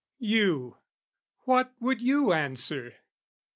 You, What would you answer?